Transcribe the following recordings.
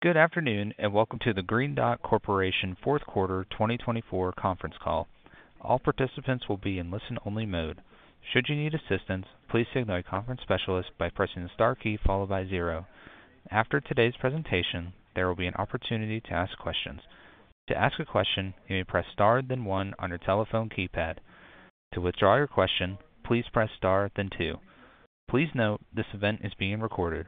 Good afternoon and welcome to the Green Dot Corporation Fourth Quarter 2024 conference call. All participants will be in listen-only mode. Should you need assistance, please signal a conference specialist by pressing the star key followed by zero. After today's presentation, there will be an opportunity to ask questions. To ask a question, you may press star then one on your telephone keypad. To withdraw your question, please press star then two. Please note this event is being recorded.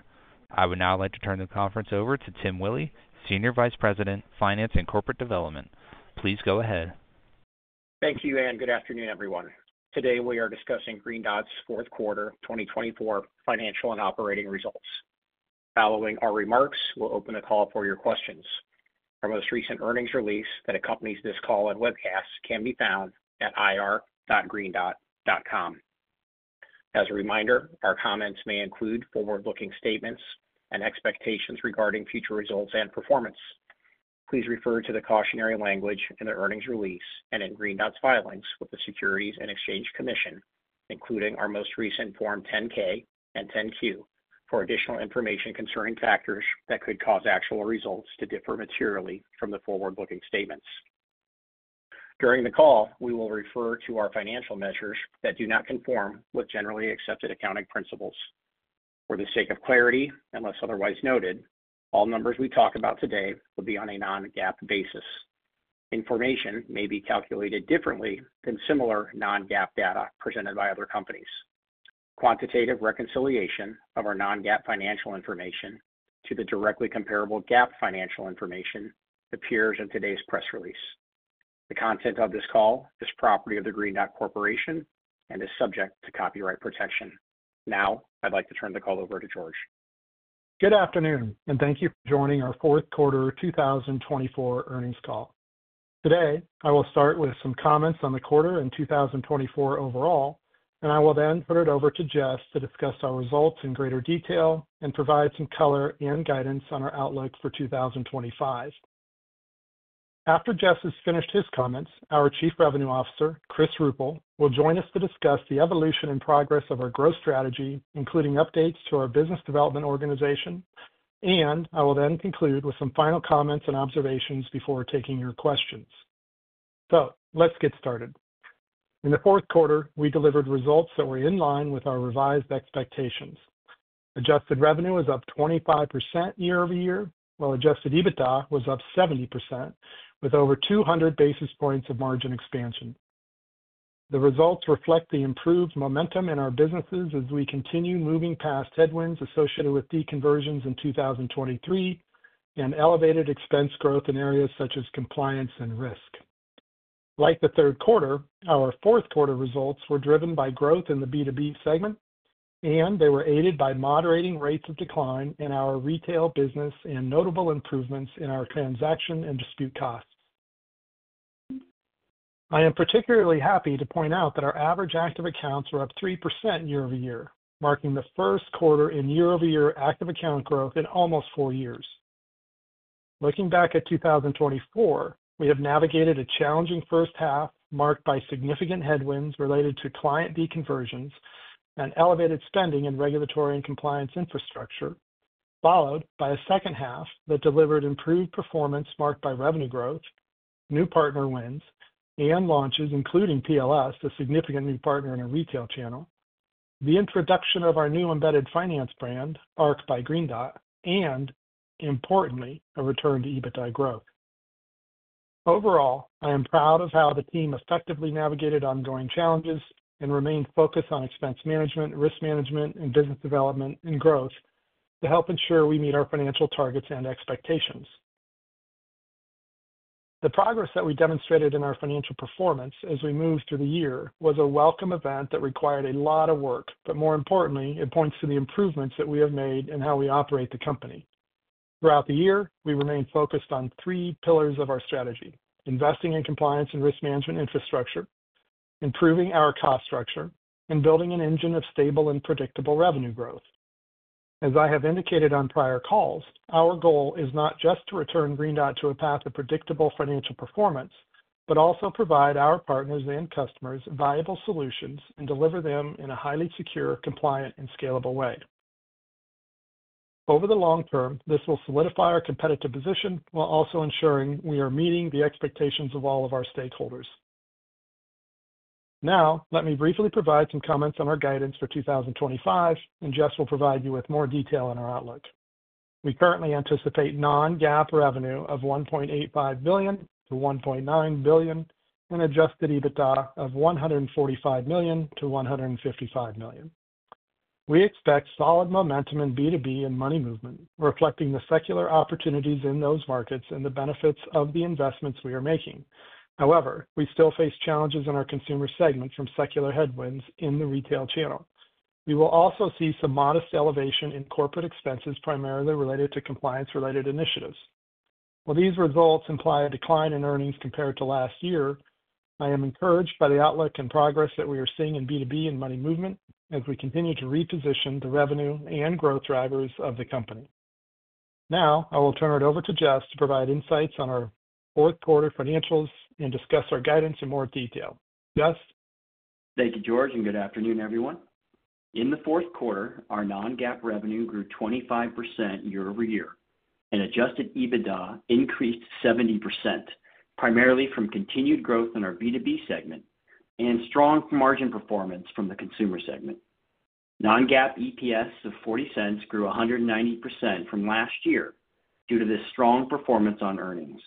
I would now like to turn the conference over to Tim Willi, Senior Vice President, Finance and Corporate Development. Please go ahead. Thank you and good afternoon, everyone. Today we are discussing Green Dot's fourth quarter 2024 financial and operating results. Following our remarks, we will open the call for your questions. Our most recent earnings release that accompanies this call and webcast can be found at ir.greendot.com. As a reminder, our comments may include forward-looking statements and expectations regarding future results and performance. Please refer to the cautionary language in the earnings release and in Green Dot's filings with the Securities and Exchange Commission, including our most recent Form 10-K and 10-Q, for additional information concerning factors that could cause actual results to differ materially from the forward-looking statements. During the call, we will refer to our financial measures that do not conform with generally accepted accounting principles. For the sake of clarity, unless otherwise noted, all numbers we talk about today will be on a non-GAAP basis. Information may be calculated differently than similar non-GAAP data presented by other companies. Quantitative reconciliation of our non-GAAP financial information to the directly comparable GAAP financial information appears in today's press release. The content of this call is property of Green Dot Corporation and is subject to copyright protection. Now, I'd like to turn the call over to George. Good afternoon and thank you for joining our Fourth Quarter 2024 Earnings Call. Today, I will start with some comments on the quarter and 2024 overall, and I will then put it over to Jess to discuss our results in greater detail and provide some color and guidance on our outlook for 2025. After Jess has finished his comments, our Chief Revenue Officer, Chris Ruppel, will join us to discuss the evolution and progress of our growth strategy, including updates to our business development organization, and I will then conclude with some final comments and observations before taking your questions. Let's get started. In the fourth quarter, we delivered results that were in line with our revised expectations. Adjusted revenue is up 25% year over year, while adjusted EBITDA was up 70%, with over 200 basis points of margin expansion. The results reflect the improved momentum in our businesses as we continue moving past headwinds associated with deconversions in 2023 and elevated expense growth in areas such as compliance and risk. Like the third quarter, our fourth quarter results were driven by growth in the B2B segment, and they were aided by moderating rates of decline in our retail business and notable improvements in our transaction and dispute costs. I am particularly happy to point out that our average active accounts were up 3% year over year, marking the first quarter in year-over-year active account growth in almost four years. Looking back at 2024, we have navigated a challenging first half marked by significant headwinds related to client deconversions and elevated spending in regulatory and compliance infrastructure, followed by a second half that delivered improved performance marked by revenue growth, new partner wins, and launches, including PLS, a significant new partner in a retail channel, the introduction of our new embedded finance brand, Arc by Green Dot, and, importantly, a return to EBITDA growth. Overall, I am proud of how the team effectively navigated ongoing challenges and remained focused on expense management, risk management, and business development and growth to help ensure we meet our financial targets and expectations. The progress that we demonstrated in our financial performance as we moved through the year was a welcome event that required a lot of work, but more importantly, it points to the improvements that we have made in how we operate the company. Throughout the year, we remained focused on three pillars of our strategy: investing in compliance and risk management infrastructure, improving our cost structure, and building an engine of stable and predictable revenue growth. As I have indicated on prior calls, our goal is not just to return Green Dot to a path of predictable financial performance, but also provide our partners and customers viable solutions and deliver them in a highly secure, compliant, and scalable way. Over the long term, this will solidify our competitive position while also ensuring we are meeting the expectations of all of our stakeholders. Now, let me briefly provide some comments on our guidance for 2025, and Jess will provide you with more detail on our outlook. We currently anticipate non-GAAP revenue of $1.85 billion-$1.9 billion and adjusted EBITDA of $145 million-$155 million. We expect solid momentum in B2B and money movement, reflecting the secular opportunities in those markets and the benefits of the investments we are making. However, we still face challenges in our consumer segment from secular headwinds in the retail channel. We will also see some modest elevation in corporate expenses primarily related to compliance-related initiatives. While these results imply a decline in earnings compared to last year, I am encouraged by the outlook and progress that we are seeing in B2B and money movement as we continue to reposition the revenue and growth drivers of the company. Now, I will turn it over to Jess to provide insights on our fourth quarter financials and discuss our guidance in more detail. Jess. Thank you, George, and good afternoon, everyone. In the fourth quarter, our non-GAAP revenue grew 25% year over year, and adjusted EBITDA increased 70%, primarily from continued growth in our B2B segment and strong margin performance from the consumer segment. Non-GAAP EPS of $0.40 grew 190% from last year due to this strong performance on earnings.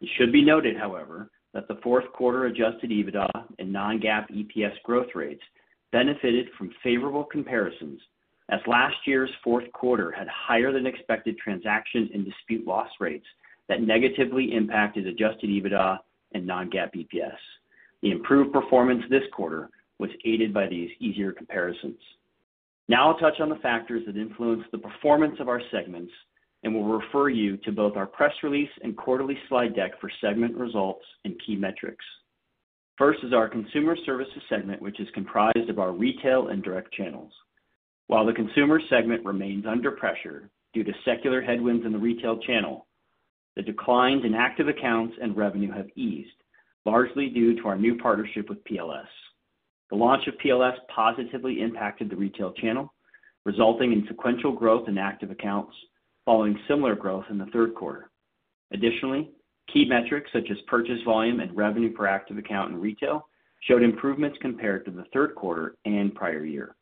It should be noted, however, that the fourth quarter adjusted EBITDA and non-GAAP EPS growth rates benefited from favorable comparisons as last year's fourth quarter had higher-than-expected transactions and dispute loss rates that negatively impacted adjusted EBITDA and non-GAAP EPS. The improved performance this quarter was aided by these easier comparisons. Now, I'll touch on the factors that influence the performance of our segments and will refer you to both our press release and quarterly slide deck for segment results and key metrics. First is our consumer services segment, which is comprised of our retail and direct channels. While the consumer segment remains under pressure due to secular headwinds in the retail channel, the declines in active accounts and revenue have eased, largely due to our new partnership with PLS. The launch of PLS positively impacted the retail channel, resulting in sequential growth in active accounts following similar growth in the third quarter. Additionally, key metrics such as purchase volume and revenue per active account in retail showed improvements compared to the third quarter and prior year.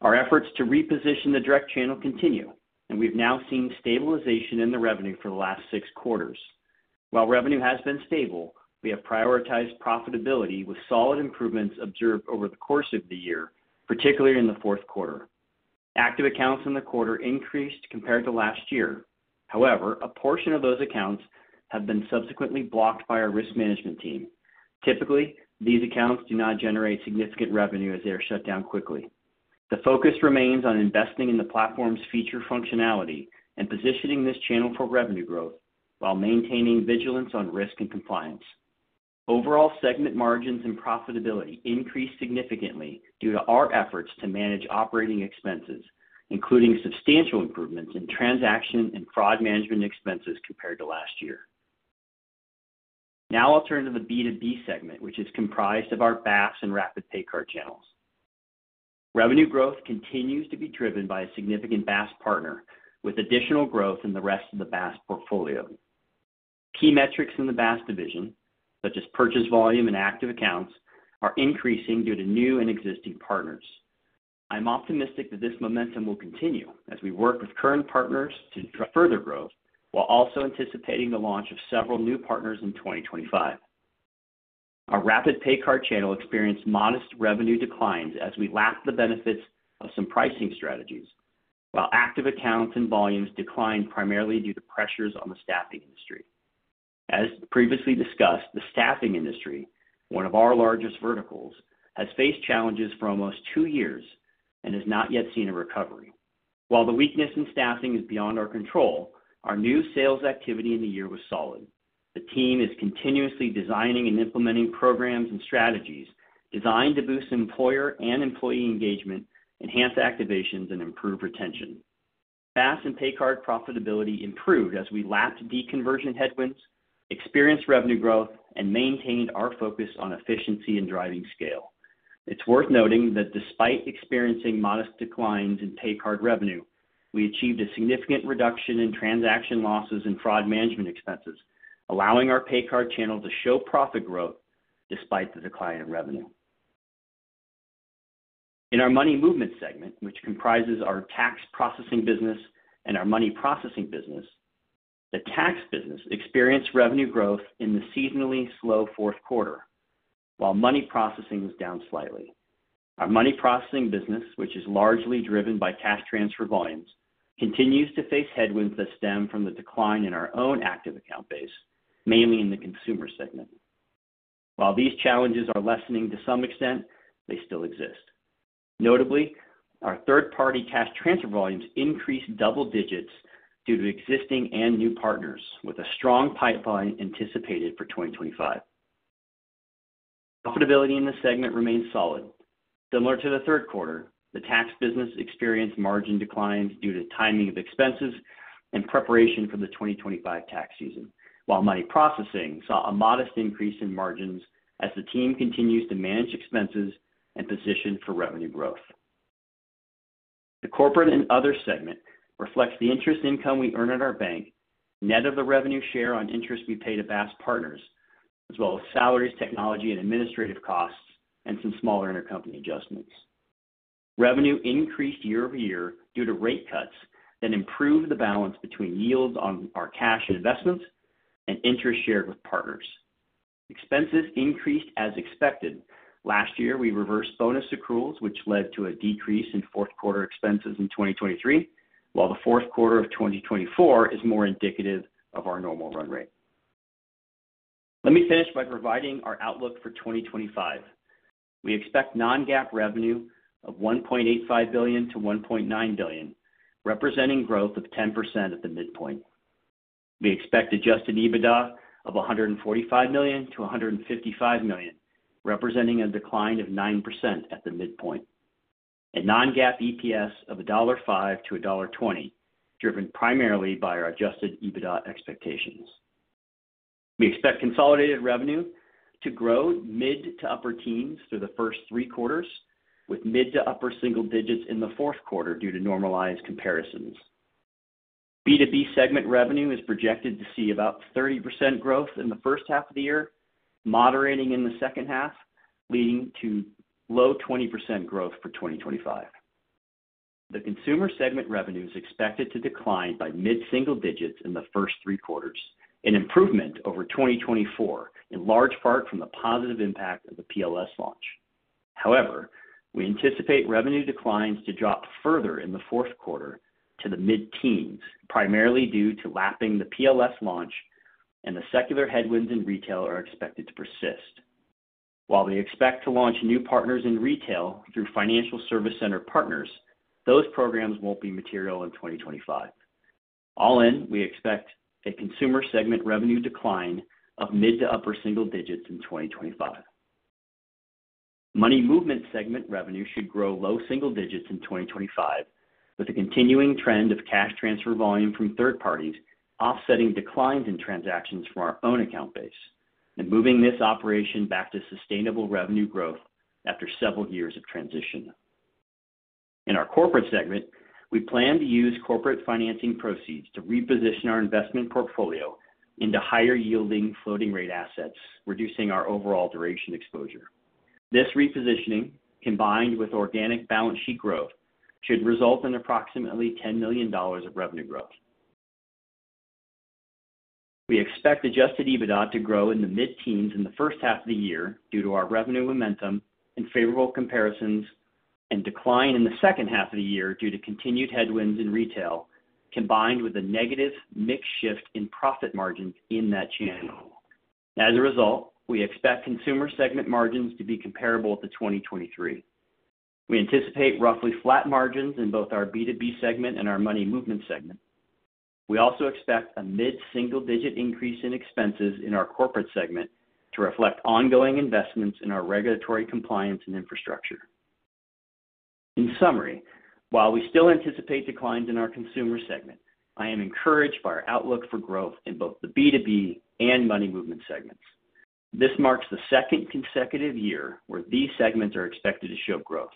Our efforts to reposition the direct channel continue, and we've now seen stabilization in the revenue for the last six quarters. While revenue has been stable, we have prioritized profitability with solid improvements observed over the course of the year, particularly in the fourth quarter. Active accounts in the quarter increased compared to last year. However, a portion of those accounts have been subsequently blocked by our risk management team. Typically, these accounts do not generate significant revenue as they are shut down quickly. The focus remains on investing in the platform's feature functionality and positioning this channel for revenue growth while maintaining vigilance on risk and compliance. Overall, segment margins and profitability increased significantly due to our efforts to manage operating expenses, including substantial improvements in transaction and fraud management expenses compared to last year. Now, I'll turn to the B2B segment, which is comprised of our BaaS and rapid! PayCard channels. Revenue growth continues to be driven by a significant BaaS partner, with additional growth in the rest of the BaaS portfolio. Key metrics in the BaaS division, such as purchase volume and active accounts, are increasing due to new and existing partners. I'm optimistic that this momentum will continue as we work with current partners to further growth while also anticipating the launch of several new partners in 2025. Our rapid! PayCard channel experienced modest revenue declines as we lacked the benefits of some pricing strategies, while active accounts and volumes declined primarily due to pressures on the staffing industry. As previously discussed, the staffing industry, one of our largest verticals, has faced challenges for almost two years and has not yet seen a recovery. While the weakness in staffing is beyond our control, our new sales activity in the year was solid. The team is continuously designing and implementing programs and strategies designed to boost employer and employee engagement, enhance activations, and improve retention. BaaS and pay card profitability improved as we lapped deconversion headwinds, experienced revenue growth, and maintained our focus on efficiency and driving scale. It's worth noting that despite experiencing modest declines in pay card revenue, we achieved a significant reduction in transaction losses and fraud management expenses, allowing our pay card channel to show profit growth despite the decline in revenue. In our money movement segment, which comprises our tax processing business and our money processing business, the tax business experienced revenue growth in the seasonally slow fourth quarter, while money processing was down slightly. Our money processing business, which is largely driven by cash transfer volumes, continues to face headwinds that stem from the decline in our own active account base, mainly in the consumer segment. While these challenges are lessening to some extent, they still exist. Notably, our third-party cash transfer volumes increased double digits due to existing and new partners, with a strong pipeline anticipated for 2025. Profitability in the segment remains solid. Similar to the third quarter, the tax business experienced margin declines due to timing of expenses and preparation for the 2025 tax season, while money processing saw a modest increase in margins as the team continues to manage expenses and position for revenue growth. The corporate and other segment reflects the interest income we earn at our bank, net of the revenue share on interest we pay to BaaS partners, as well as salaries, technology, and administrative costs, and some smaller intercompany adjustments. Revenue increased year over year due to rate cuts that improved the balance between yields on our cash investments and interest shared with partners. Expenses increased as expected. Last year, we reversed bonus accruals, which led to a decrease in fourth quarter expenses in 2023, while the fourth quarter of 2024 is more indicative of our normal run rate. Let me finish by providing our outlook for 2025. We expect non-GAAP revenue of $1.85 billion-$1.9 billion, representing growth of 10% at the midpoint. We expect adjusted EBITDA of $145 million-$155 million, representing a decline of 9% at the midpoint, and non-GAAP EPS of $1.05-$1.20, driven primarily by our adjusted EBITDA expectations. We expect consolidated revenue to grow mid to upper teens through the first three quarters, with mid to upper single digits in the fourth quarter due to normalized comparisons. B2B segment revenue is projected to see about 30% growth in the first half of the year, moderating in the second half, leading to low 20% growth for 2025. The consumer segment revenue is expected to decline by mid-single digits in the first three quarters, an improvement over 2024, in large part from the positive impact of the PLS launch. However, we anticipate revenue declines to drop further in the fourth quarter to the mid-teens, primarily due to lapping the PLS launch, and the secular headwinds in retail are expected to persist. While we expect to launch new partners in retail through financial service center partners, those programs won't be material in 2025. All in, we expect a consumer segment revenue decline of mid to upper single digits in 2025. Money movement segment revenue should grow low single digits in 2025, with a continuing trend of cash transfer volume from third parties offsetting declines in transactions from our own account base and moving this operation back to sustainable revenue growth after several years of transition. In our corporate segment, we plan to use corporate financing proceeds to reposition our investment portfolio into higher-yielding floating-rate assets, reducing our overall duration exposure. This repositioning, combined with organic balance sheet growth, should result in approximately $10 million of revenue growth. We expect adjusted EBITDA to grow in the mid-teens in the first half of the year due to our revenue momentum and favorable comparisons, and decline in the second half of the year due to continued headwinds in retail, combined with a negative mix shift in profit margins in that channel. As a result, we expect consumer segment margins to be comparable to 2023. We anticipate roughly flat margins in both our B2B segment and our money movement segment. We also expect a mid-single-digit increase in expenses in our corporate segment to reflect ongoing investments in our regulatory compliance and infrastructure. In summary, while we still anticipate declines in our consumer segment, I am encouraged by our outlook for growth in both the B2B and money movement segments. This marks the second consecutive year where these segments are expected to show growth.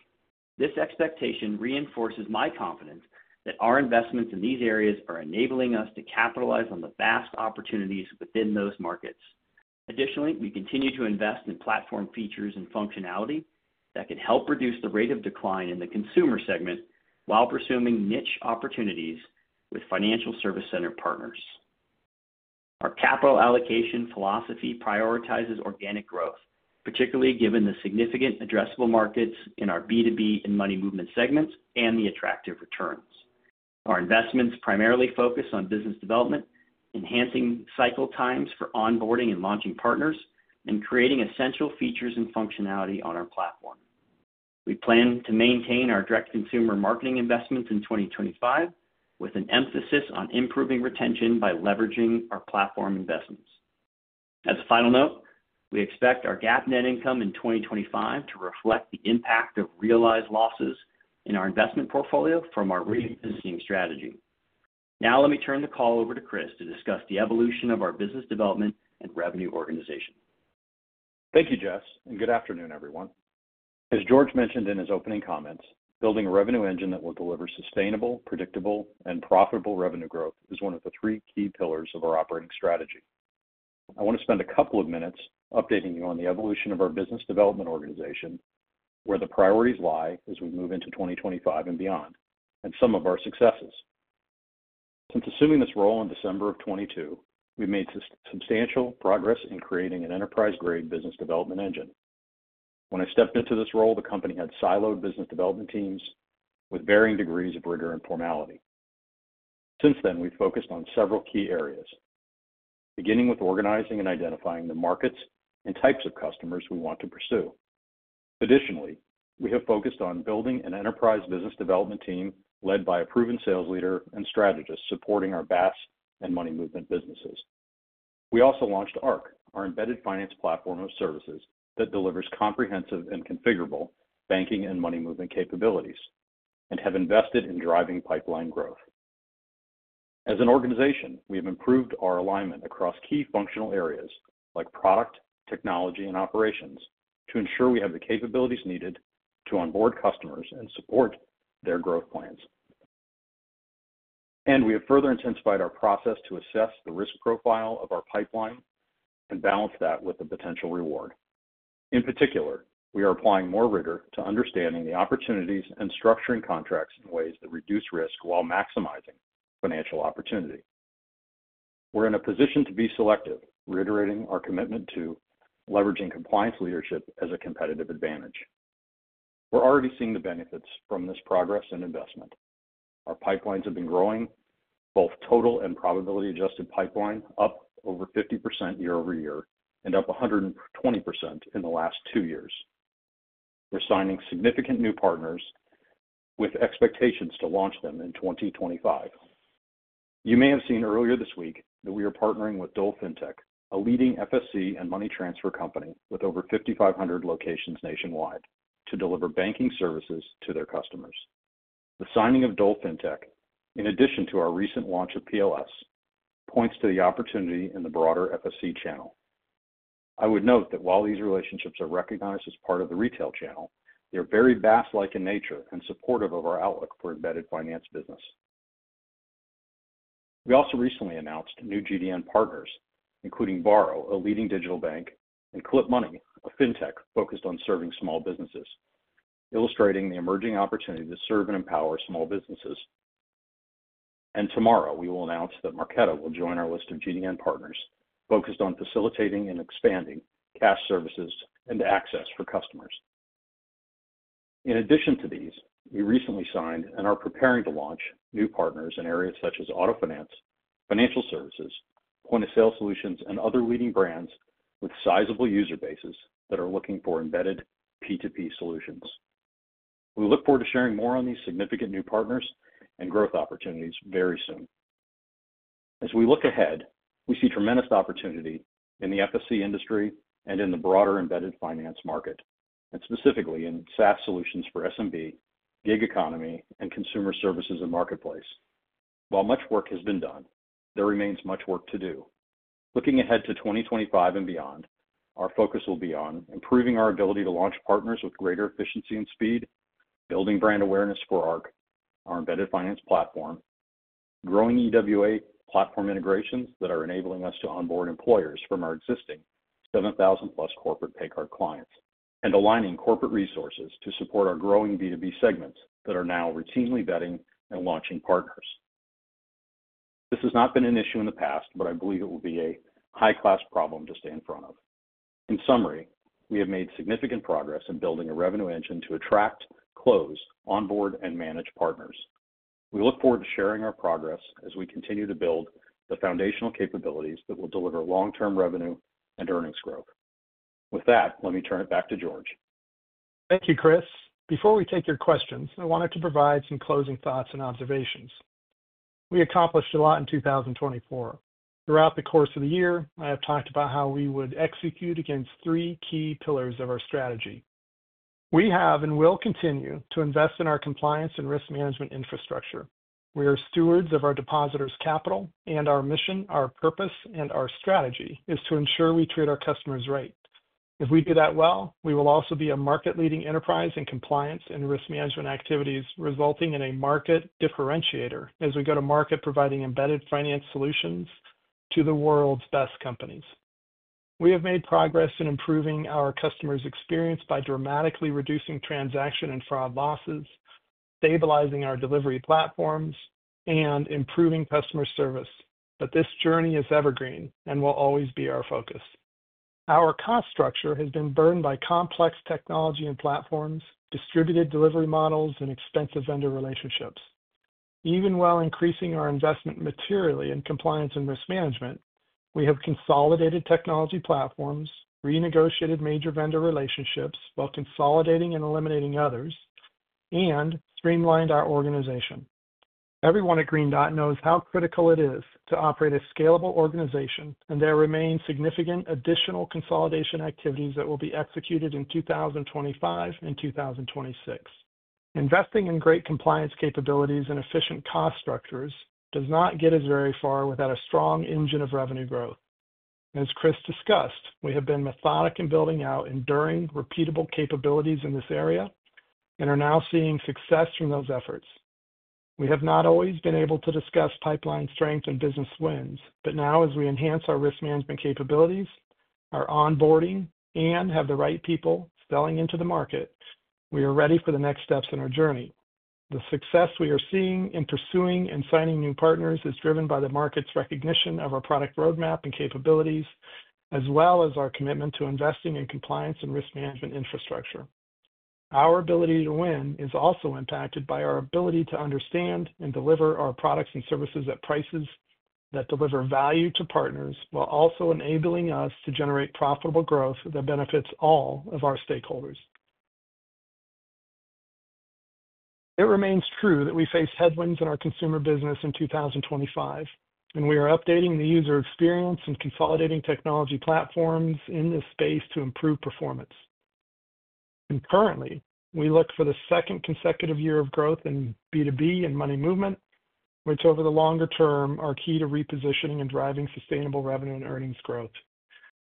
This expectation reinforces my confidence that our investments in these areas are enabling us to capitalize on the vast opportunities within those markets. Additionally, we continue to invest in platform features and functionality that can help reduce the rate of decline in the consumer segment while pursuing niche opportunities with financial service center partners. Our capital allocation philosophy prioritizes organic growth, particularly given the significant addressable markets in our B2B and money movement segments and the attractive returns. Our investments primarily focus on business development, enhancing cycle times for onboarding and launching partners, and creating essential features and functionality on our platform. We plan to maintain our direct consumer marketing investments in 2025, with an emphasis on improving retention by leveraging our platform investments. As a final note, we expect our GAAP net income in 2025 to reflect the impact of realized losses in our investment portfolio from our repositioning strategy. Now, let me turn the call over to Chris to discuss the evolution of our business development and revenue organization. Thank you, Jess, and good afternoon, everyone. As George mentioned in his opening comments, building a revenue engine that will deliver sustainable, predictable, and profitable revenue growth is one of the three key pillars of our operating strategy. I want to spend a couple of minutes updating you on the evolution of our business development organization, where the priorities lie as we move into 2025 and beyond, and some of our successes. Since assuming this role in December of 2022, we've made substantial progress in creating an enterprise-grade business development engine. When I stepped into this role, the company had siloed business development teams with varying degrees of rigor and formality. Since then, we've focused on several key areas, beginning with organizing and identifying the markets and types of customers we want to pursue. Additionally, we have focused on building an enterprise business development team led by a proven sales leader and strategist supporting our BaaS and money movement businesses. We also launched Arc, our embedded finance platform of services that delivers comprehensive and configurable banking and money movement capabilities, and have invested in driving pipeline growth. As an organization, we have improved our alignment across key functional areas like product, technology, and operations to ensure we have the capabilities needed to onboard customers and support their growth plans. We have further intensified our process to assess the risk profile of our pipeline and balance that with the potential reward. In particular, we are applying more rigor to understanding the opportunities and structuring contracts in ways that reduce risk while maximizing financial opportunity. We're in a position to be selective, reiterating our commitment to leveraging compliance leadership as a competitive advantage. We're already seeing the benefits from this progress and investment. Our pipelines have been growing, both total and probability-adjusted pipeline, up over 50% year over year and up 120% in the last two years. We're signing significant new partners with expectations to launch them in 2025. You may have seen earlier this week that we are partnering with DolFinTech, a leading FSC and money transfer company with over 5,500 locations nationwide, to deliver banking services to their customers. The signing of DolFinTech, in addition to our recent launch of PLS, points to the opportunity in the broader FSC channel. I would note that while these relationships are recognized as part of the retail channel, they are very BaaS-like in nature and supportive of our outlook for embedded finance business. We also recently announced new GDN partners, including Varo, a leading digital bank, and Clip Money, a fintech focused on serving small businesses, illustrating the emerging opportunity to serve and empower small businesses. Tomorrow, we will announce that Marketo will join our list of GDN partners focused on facilitating and expanding cash services and access for customers. In addition to these, we recently signed and are preparing to launch new partners in areas such as auto finance, financial services, point-of-sale solutions, and other leading brands with sizable user bases that are looking for embedded P2P solutions. We look forward to sharing more on these significant new partners and growth opportunities very soon. As we look ahead, we see tremendous opportunity in the FSC industry and in the broader embedded finance market, and specifically in SaaS solutions for SMB, gig economy, and consumer services and marketplace. While much work has been done, there remains much work to do. Looking ahead to 2025 and beyond, our focus will be on improving our ability to launch partners with greater efficiency and speed, building brand awareness for Arc, our embedded finance platform, growing EWA platform integrations that are enabling us to onboard employers from our existing 7,000-plus corporate pay card clients, and aligning corporate resources to support our growing B2B segments that are now routinely vetting and launching partners. This has not been an issue in the past, but I believe it will be a high-class problem to stay in front of. In summary, we have made significant progress in building a revenue engine to attract, close, onboard, and manage partners. We look forward to sharing our progress as we continue to build the foundational capabilities that will deliver long-term revenue and earnings growth. With that, let me turn it back to George. Thank you, Chris. Before we take your questions, I wanted to provide some closing thoughts and observations. We accomplished a lot in 2024. Throughout the course of the year, I have talked about how we would execute against three key pillars of our strategy. We have and will continue to invest in our compliance and risk management infrastructure. We are stewards of our depositors' capital, and our mission, our purpose, and our strategy is to ensure we treat our customers right. If we do that well, we will also be a market-leading enterprise in compliance and risk management activities, resulting in a market differentiator as we go to market, providing embedded finance solutions to the world's best companies. We have made progress in improving our customers' experience by dramatically reducing transaction and fraud losses, stabilizing our delivery platforms, and improving customer service. This journey is evergreen and will always be our focus. Our cost structure has been burdened by complex technology and platforms, distributed delivery models, and expensive vendor relationships. Even while increasing our investment materially in compliance and risk management, we have consolidated technology platforms, renegotiated major vendor relationships while consolidating and eliminating others, and streamlined our organization. Everyone at Green Dot knows how critical it is to operate a scalable organization, and there remain significant additional consolidation activities that will be executed in 2025 and 2026. Investing in great compliance capabilities and efficient cost structures does not get us very far without a strong engine of revenue growth. As Chris discussed, we have been methodic in building out enduring, repeatable capabilities in this area and are now seeing success from those efforts. We have not always been able to discuss pipeline strength and business wins, but now, as we enhance our risk management capabilities, our onboarding, and have the right people selling into the market, we are ready for the next steps in our journey. The success we are seeing in pursuing and signing new partners is driven by the market's recognition of our product roadmap and capabilities, as well as our commitment to investing in compliance and risk management infrastructure. Our ability to win is also impacted by our ability to understand and deliver our products and services at prices that deliver value to partners while also enabling us to generate profitable growth that benefits all of our stakeholders. It remains true that we face headwinds in our consumer business in 2025, and we are updating the user experience and consolidating technology platforms in this space to improve performance. Currently, we look for the second consecutive year of growth in B2B and money movement, which over the longer term are key to repositioning and driving sustainable revenue and earnings growth.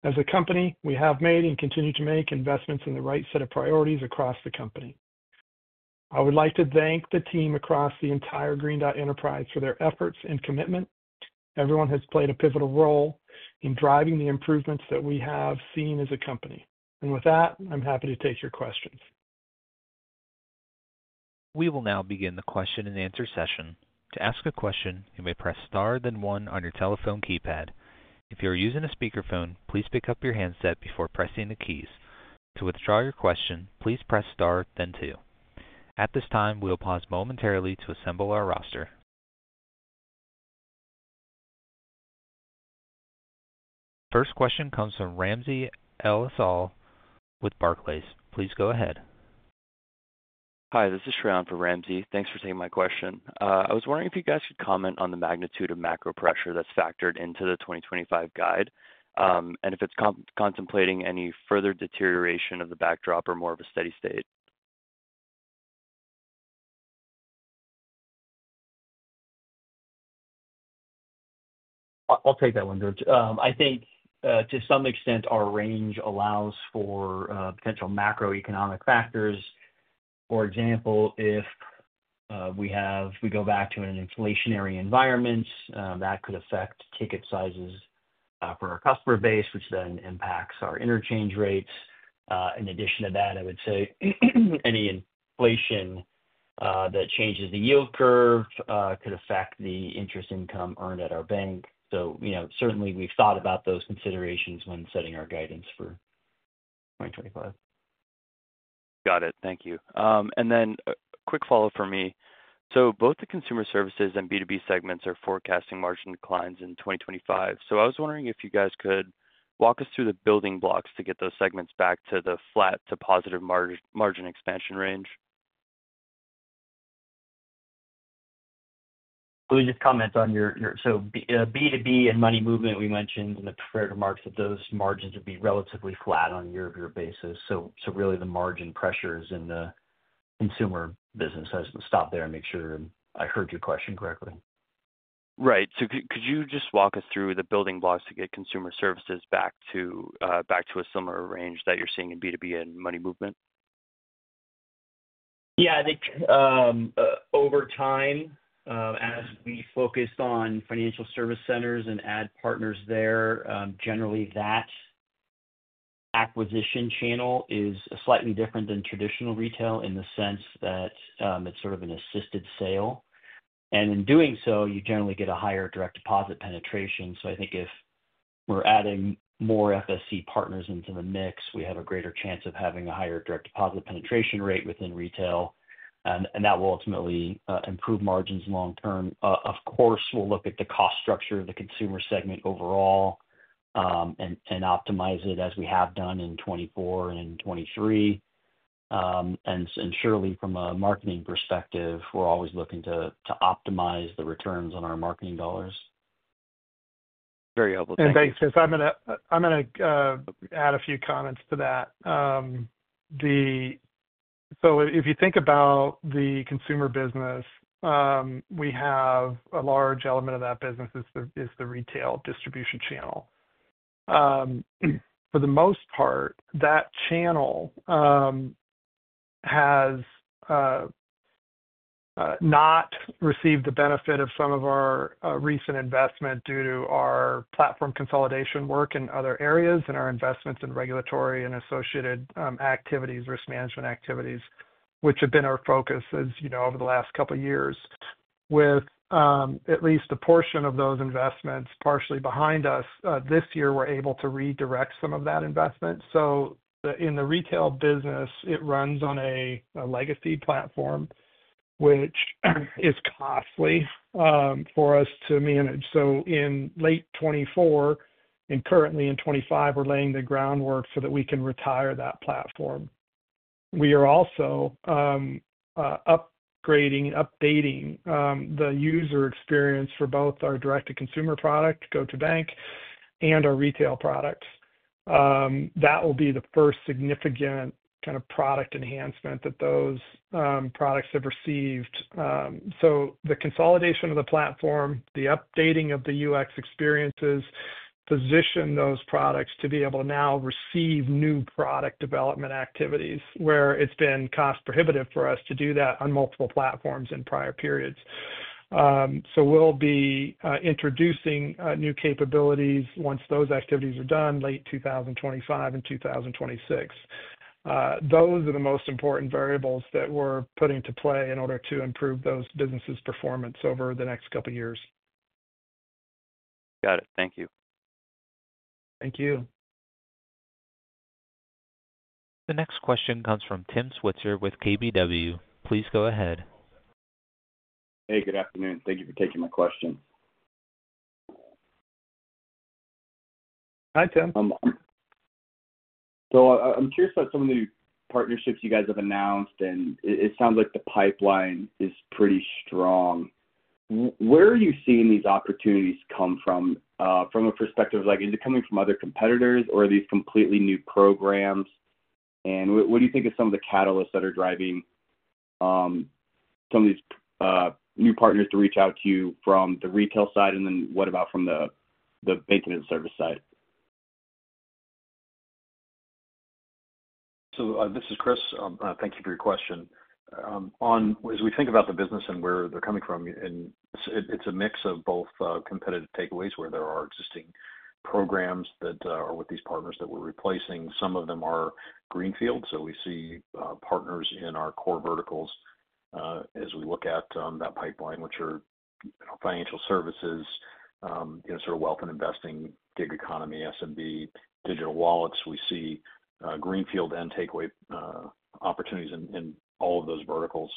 As a company, we have made and continue to make investments in the right set of priorities across the company. I would like to thank the team across the entire Green Dot Enterprise for their efforts and commitment. Everyone has played a pivotal role in driving the improvements that we have seen as a company. With that, I'm happy to take your questions. We will now begin the question-and-answer session. To ask a question, you may press star and then one on your telephone keypad. If you are using a speakerphone, please pick up your handset before pressing the keys. To withdraw your question, please press star then two. At this time, we will pause momentarily to assemble our roster. The first question comes from Ramsey El-Assal with Barclays. Please go ahead. Hi, this is Shreyan for Ramsey. Thanks for taking my question. I was wondering if you guys could comment on the magnitude of macro pressure that's factored into the 2025 guide and if it's contemplating any further deterioration of the backdrop or more of a steady state. I'll take that one, George. I think to some extent, our range allows for potential macroeconomic factors. For example, if we go back to an inflationary environment, that could affect ticket sizes for our customer base, which then impacts our interchange rates. In addition to that, I would say any inflation that changes the yield curve could affect the interest income earned at our bank. Certainly, we've thought about those considerations when setting our guidance for 2025. Got it. Thank you. A quick follow-up for me. Both the consumer services and B2B segments are forecasting margin declines in 2025. I was wondering if you guys could walk us through the building blocks to get those segments back to the flat to positive margin expansion range. Let me just comment on your B2B and money movement. We mentioned in the prepared remarks that those margins would be relatively flat on a year-over-year basis. Really, the margin pressures in the consumer business have to stop there and make sure I heard your question correctly. Right. Could you just walk us through the building blocks to get consumer services back to a similar range that you're seeing in B2B and money movement? Yeah. I think over time, as we focus on financial service centers and add partners there, generally, that acquisition channel is slightly different than traditional retail in the sense that it's sort of an assisted sale. In doing so, you generally get a higher direct deposit penetration. I think if we're adding more FSC partners into the mix, we have a greater chance of having a higher direct deposit penetration rate within retail, and that will ultimately improve margins long-term. Of course, we'll look at the cost structure of the consumer segment overall and optimize it as we have done in 2024 and 2023. Surely, from a marketing perspective, we're always looking to optimize the returns on our marketing dollars. Very helpful. Thanks. I'm going to add a few comments to that. If you think about the consumer business, we have a large element of that business that is the retail distribution channel. For the most part, that channel has not received the benefit of some of our recent investment due to our platform consolidation work in other areas and our investments in regulatory and associated activities, risk management activities, which have been our focus over the last couple of years. With at least a portion of those investments partially behind us, this year we're able to redirect some of that investment. In the retail business, it runs on a legacy platform, which is costly for us to manage. In late 2024 and currently in 2025, we're laying the groundwork so that we can retire that platform. We are also upgrading and updating the user experience for both our direct-to-consumer product, GO2Bank, and our retail products. That will be the first significant kind of product enhancement that those products have received. The consolidation of the platform, the updating of the user experiences position those products to be able to now receive new product development activities where it's been cost-prohibitive for us to do that on multiple platforms in prior periods. We will be introducing new capabilities once those activities are done late 2025 and 2026. Those are the most important variables that we're putting to play in order to improve those businesses' performance over the next couple of years. Got it. Thank you. Thank you. The next question comes from Tim Switzer with KBW. Please go ahead. Hey, good afternoon. Thank you for taking my question. Hi, Tim. I'm curious about some of the partnerships you guys have announced, and it sounds like the pipeline is pretty strong. Where are you seeing these opportunities come from? From a perspective of, is it coming from other competitors, or are these completely new programs? What do you think are some of the catalysts that are driving some of these new partners to reach out to you from the retail side, and then what about from the banking and service side? This is Chris. Thank you for your question. As we think about the business and where they're coming from, it's a mix of both competitive takeaways where there are existing programs that are with these partners that we're replacing. Some of them are greenfield. We see partners in our core verticals as we look at that pipeline, which are financial services, sort of wealth and investing, gig economy, SMB, digital wallets. We see greenfield and takeaway opportunities in all of those verticals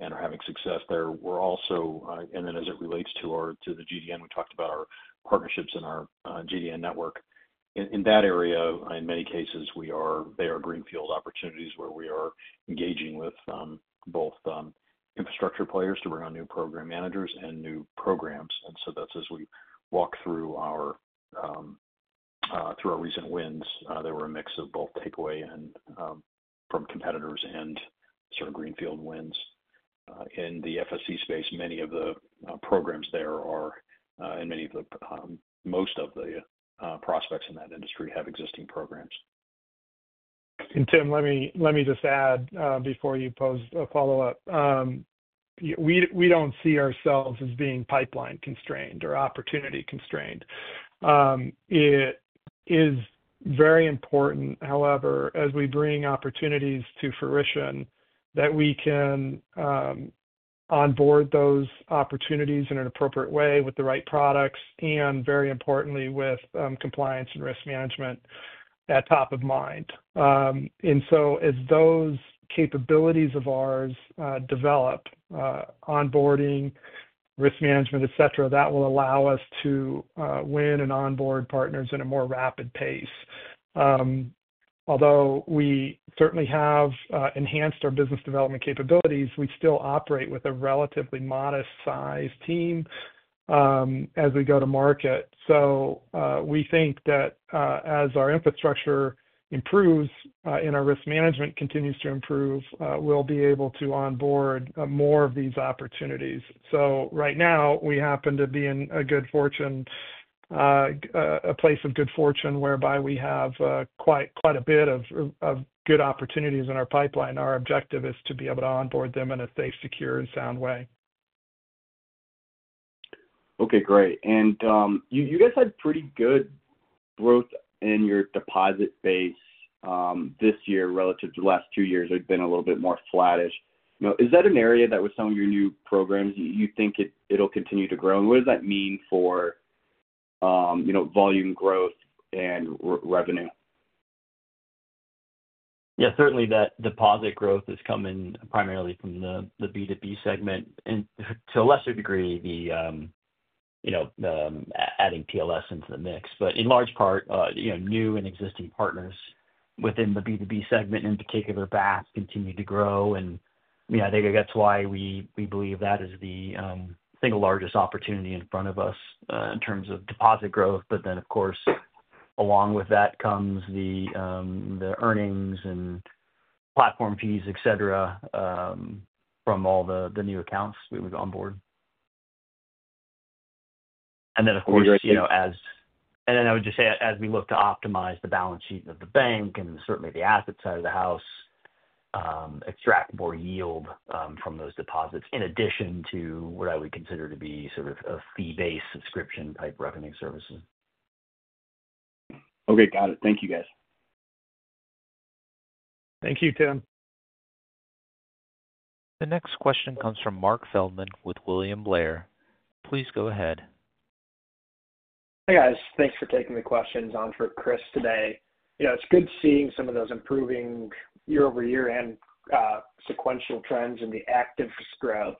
and are having success there. As it relates to the GDN, we talked about our partnerships in our GDN network. In that area, in many cases, they are greenfield opportunities where we are engaging with both infrastructure players to bring on new program managers and new programs. That's as we walk through our recent wins. They were a mix of both takeaway from competitors and sort of greenfield wins. In the FSC space, many of the programs there are and most of the prospects in that industry have existing programs. Tim, let me just add before you pose a follow-up. We do not see ourselves as being pipeline constrained or opportunity constrained. It is very important, however, as we bring opportunities to fruition, that we can onboard those opportunities in an appropriate way with the right products and, very importantly, with compliance and risk management at top of mind. As those capabilities of ours develop, onboarding, risk management, etc., that will allow us to win and onboard partners at a more rapid pace. Although we certainly have enhanced our business development capabilities, we still operate with a relatively modest-sized team as we go to market. We think that as our infrastructure improves and our risk management continues to improve, we will be able to onboard more of these opportunities. Right now, we happen to be in a place of good fortune whereby we have quite a bit of good opportunities in our pipeline. Our objective is to be able to onboard them in a safe, secure, and sound way. Okay. Great. You guys had pretty good growth in your deposit base this year relative to the last two years. It's been a little bit more flattish. Is that an area that with some of your new programs, you think it'll continue to grow? What does that mean for volume growth and revenue? Yeah. Certainly, that deposit growth is coming primarily from the B2B segment and to a lesser degree, the adding PLS into the mix. In large part, new and existing partners within the B2B segment, in particular, BaaS, continue to grow. I think that's why we believe that is the single largest opportunity in front of us in terms of deposit growth. Of course, along with that comes the earnings and platform fees, etc., from all the new accounts we would onboard. Of course. I would just say, as we look to optimize the balance sheet of the bank and certainly the asset side of the house, extract more yield from those deposits in addition to what I would consider to be sort of a fee-based subscription-type revenue services. Okay. Got it. Thank you, guys. Thank you, Tim. The next question comes from Marc Feldman with William Blair. Please go ahead. Hey, guys. Thanks for taking the questions on for Chris today. It's good seeing some of those improving year-over-year and sequential trends in the active growth.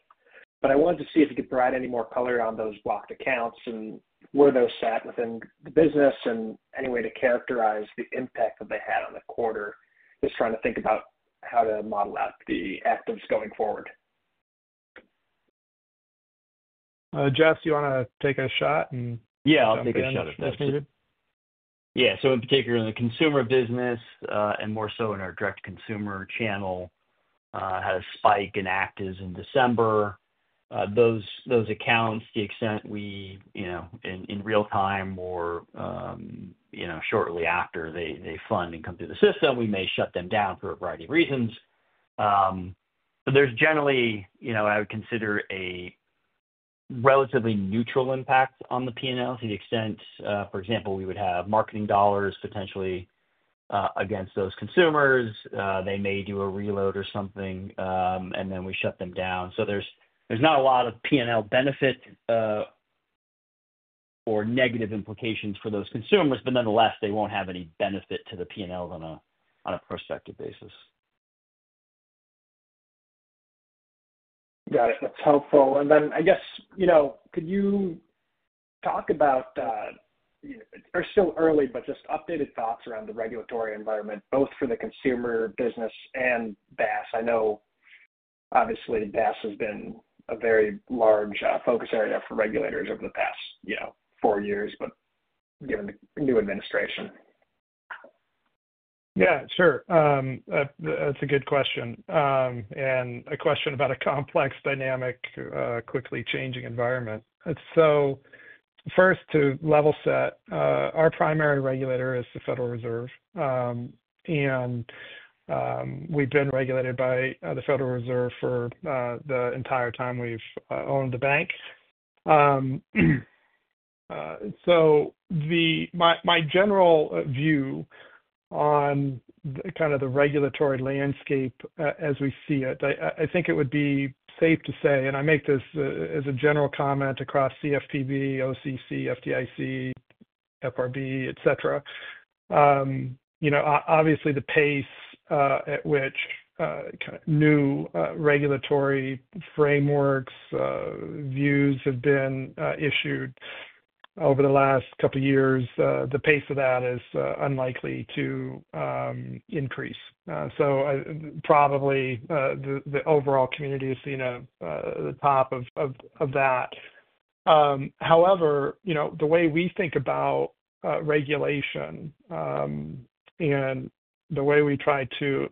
I wanted to see if you could provide any more color on those blocked accounts and where those sat within the business and any way to characterize the impact that they had on the quarter. Just trying to think about how to model out the actives going forward. Jess, do you want to take a shot? Yeah. I'll take a shot if necessary. Yeah. In particular, in the consumer business and more so in our direct consumer channel, had a spike in actives in December. Those accounts, to the extent we in real time or shortly after they fund and come through the system, we may shut them down for a variety of reasons. There is generally, I would consider, a relatively neutral impact on the P&L to the extent, for example, we would have marketing dollars potentially against those consumers. They may do a reload or something, and then we shut them down. There is not a lot of P&L benefit or negative implications for those consumers, but nonetheless, they will not have any benefit to the P&L on a prospective basis. Got it. That's helpful. I guess, could you talk about—are still early, but just updated thoughts around the regulatory environment, both for the consumer business and BaaS? I know, obviously, BaaS has been a very large focus area for regulators over the past four years, but given the new administration. Yeah. Sure. That's a good question and a question about a complex, dynamic, quickly changing environment. First, to level set, our primary regulator is the Federal Reserve. We've been regulated by the Federal Reserve for the entire time we've owned the bank. My general view on kind of the regulatory landscape as we see it, I think it would be safe to say—and I make this as a general comment across CFPB, OCC, FDIC, FRB, etc.—obviously, the pace at which kind of new regulatory frameworks, views have been issued over the last couple of years, the pace of that is unlikely to increase. Probably the overall community has seen the top of that. However, the way we think about regulation and the way we try to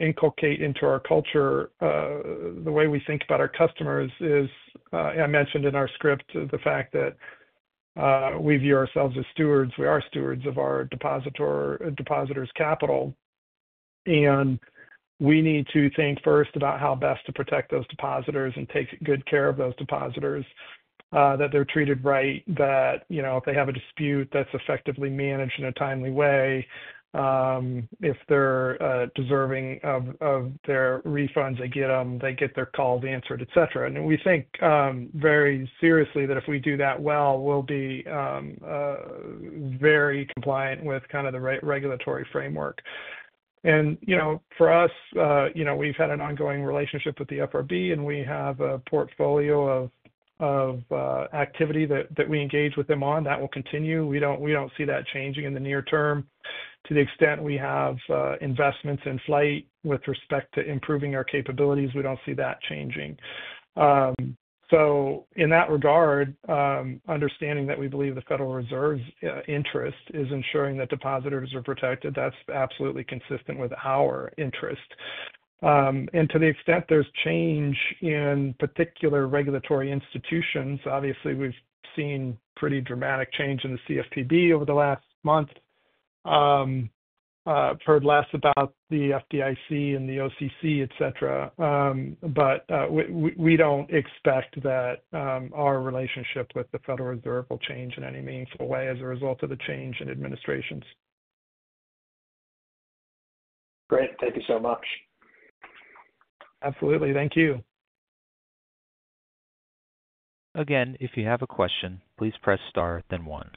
inculcate into our culture, the way we think about our customers is, I mentioned in our script, the fact that we view ourselves as stewards. We are stewards of our depositors' capital. We need to think first about how best to protect those depositors and take good care of those depositors, that they're treated right, that if they have a dispute, that's effectively managed in a timely way. If they're deserving of their refunds, they get them, they get their calls answered, etc. We think very seriously that if we do that well, we'll be very compliant with kind of the regulatory framework. For us, we've had an ongoing relationship with the FRB, and we have a portfolio of activity that we engage with them on that will continue. We do not see that changing in the near term to the extent we have investments in flight with respect to improving our capabilities. We do not see that changing. In that regard, understanding that we believe the Federal Reserve's interest is ensuring that depositors are protected, that is absolutely consistent with our interest. To the extent there is change in particular regulatory institutions, obviously, we have seen pretty dramatic change in the CFPB over the last month. I have heard less about the FDIC and the OCC, etc. We do not expect that our relationship with the Federal Reserve will change in any meaningful way as a result of the change in administrations. Great. Thank you so much. Absolutely. Thank you. Again, if you have a question, please press star, then one.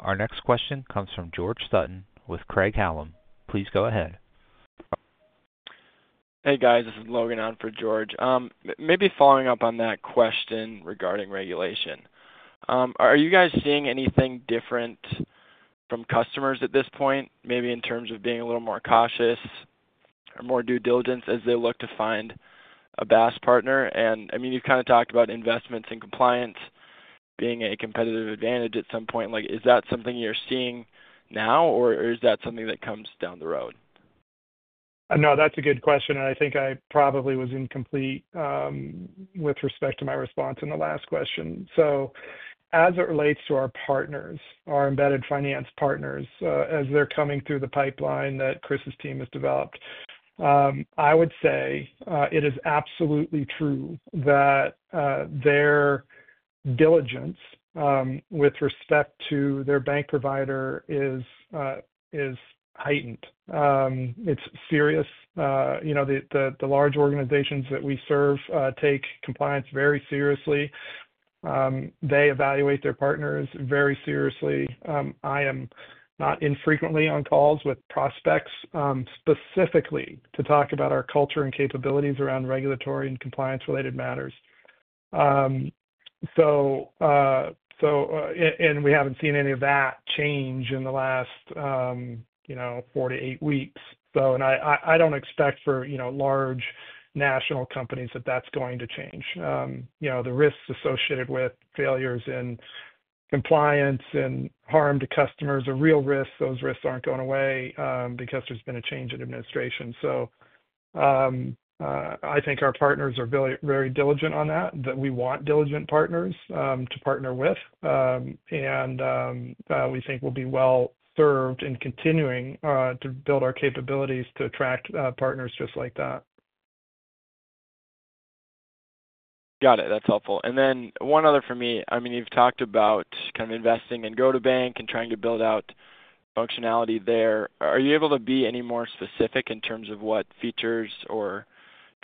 Our next question comes from George Sutton with Craig-Hallum. Please go ahead. Hey, guys. This is Logan on for George. Maybe following up on that question regarding regulation. Are you guys seeing anything different from customers at this point, maybe in terms of being a little more cautious or more due diligence as they look to find a BaaS partner? I mean, you've kind of talked about investments and compliance being a competitive advantage at some point. Is that something you're seeing now, or is that something that comes down the road? No, that's a good question. I think I probably was incomplete with respect to my response in the last question. As it relates to our partners, our embedded finance partners, as they're coming through the pipeline that Chris's team has developed, I would say it is absolutely true that their diligence with respect to their bank provider is heightened. It's serious. The large organizations that we serve take compliance very seriously. They evaluate their partners very seriously. I am not infrequently on calls with prospects specifically to talk about our culture and capabilities around regulatory and compliance-related matters. We haven't seen any of that change in the last four to eight weeks. I don't expect for large national companies that that's going to change. The risks associated with failures in compliance and harm to customers are real risks. Those risks aren't going away because there's been a change in administration. I think our partners are very diligent on that, that we want diligent partners to partner with. We think we'll be well served in continuing to build our capabilities to attract partners just like that. Got it. That's helpful. I mean, you've talked about kind of investing in GO2Bank and trying to build out functionality there. Are you able to be any more specific in terms of what features or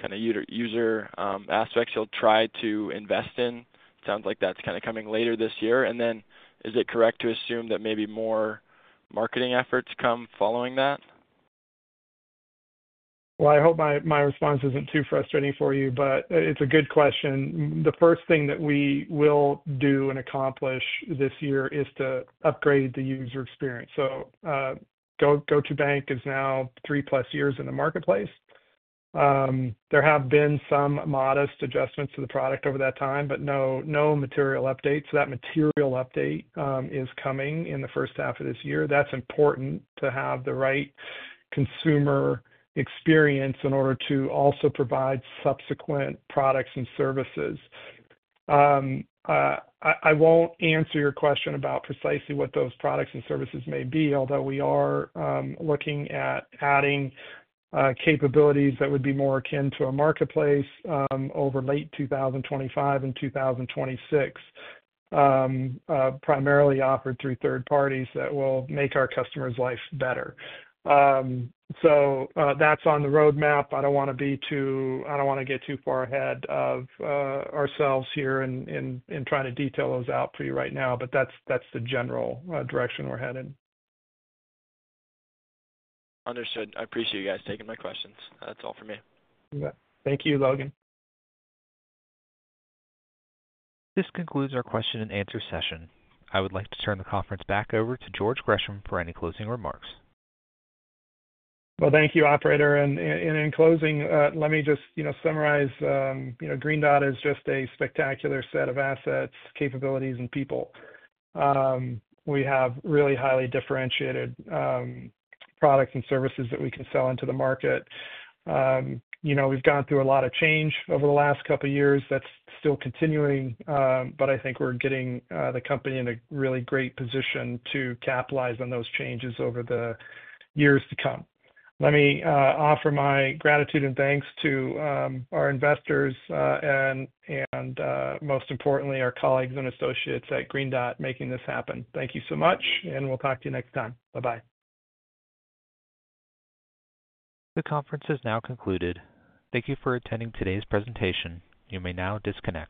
kind of user aspects you'll try to invest in? It sounds like that's kind of coming later this year. Is it correct to assume that maybe more marketing efforts come following that? I hope my response isn't too frustrating for you, but it's a good question. The first thing that we will do and accomplish this year is to upgrade the user experience. GO2Bank is now three-plus years in the marketplace. There have been some modest adjustments to the product over that time, but no material updates. That material update is coming in the first half of this year. That's important to have the right consumer experience in order to also provide subsequent products and services. I won't answer your question about precisely what those products and services may be, although we are looking at adding capabilities that would be more akin to a marketplace over late 2025 and 2026, primarily offered through third parties that will make our customers' life better. That's on the roadmap. I don't want to be too—I don't want to get too far ahead of ourselves here in trying to detail those out for you right now, but that's the general direction we're heading. Understood. I appreciate you guys taking my questions. That's all for me. Thank you, Logan. This concludes our question-and-answer session. I would like to turn the conference back over to George Gresham for any closing remarks. Thank you, operator. In closing, let me just summarize. Green Dot is just a spectacular set of assets, capabilities, and people. We have really highly differentiated products and services that we can sell into the market. We've gone through a lot of change over the last couple of years that's still continuing, but I think we're getting the company in a really great position to capitalize on those changes over the years to come. Let me offer my gratitude and thanks to our investors and, most importantly, our colleagues and associates at Green Dot making this happen. Thank you so much, and we'll talk to you next time. Bye-bye. The conference is now concluded. Thank you for attending today's presentation. You may now disconnect.